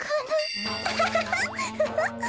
アハハハ